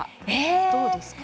どうですか？